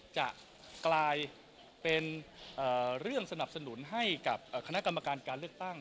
จะกลายเป็นเรื่องสนับสนุนให้กับคณะกรรมการการเลือกตั้ง